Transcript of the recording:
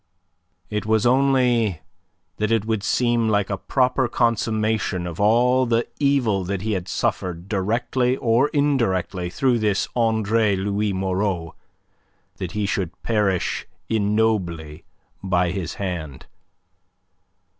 It was only that it would seem like a proper consummation of all the evil that he had suffered directly or indirectly through this Andre Louis Moreau that he should perish ignobly by his hand.